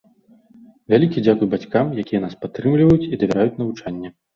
Вялікі дзякуй бацькам, якія нас падтрымліваюць і давяраюць навучанне.